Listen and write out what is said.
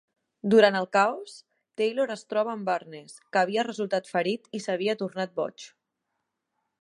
Durant el caos, Taylor es troba amb Barnes, que havia resultat ferit i s'havia tornat boig.